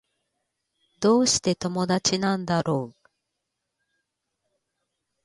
どうして友達なんだろう